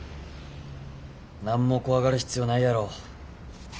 何も怖がる必要ないやろ。